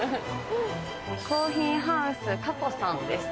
コーヒーハウスかこさんです。